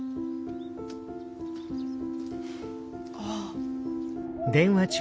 ああ。